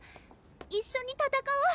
一緒に戦おう？